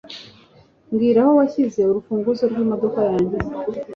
Mbwira aho washyize urufunguzo rwimodoka yanjye.